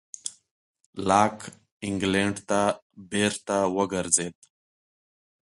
لاک انګلېنډ ته بېرته وګرځېد.